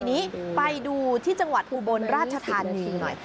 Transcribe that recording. ทีนี้ไปดูที่จังหวัดอุบลราชธานีหน่อย